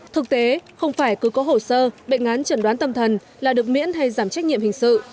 thực tế không phải cứ có hồ sơ bệnh án chẩn đoán tâm thần là được miễn hay giảm trách nhiệm hình sự